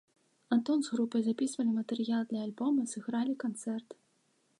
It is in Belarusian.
Антон з групай запісвалі матэрыял для альбома, сыгралі канцэрт.